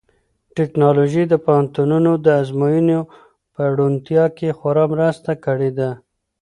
ټیکنالوژي د پوهنتونونو د ازموینو په روڼتیا کې خورا مرسته کړې ده.